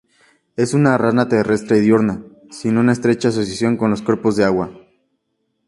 Es una rana terrestre diurna, sin una estrecha asociación con los cuerpos de agua.